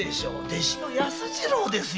弟子の安次郎ですよ。